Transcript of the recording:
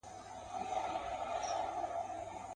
د ښایست یې پر ملکونو چوک چوکه سوه.